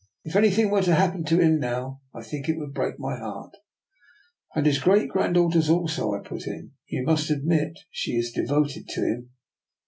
If anything were to happen to him now, I think it would break my heart." "And his great granddaughter's also," I put in; " for you must admit she is devoted to him."